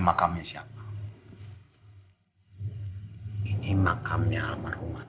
saya memang ingin minta obat